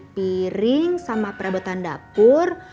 piring sama perabotan dapur